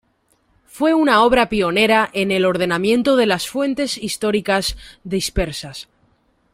Fue una obra pionera en el ordenamiento de las fuentes históricas dispersas.